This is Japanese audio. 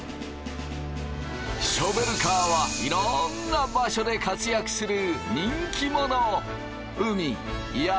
ショベルカーはいろんな場所で活躍する人気者。